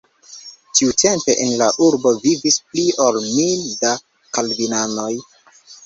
Tiutempe en la urbo vivis pli ol mil da kalvinanoj.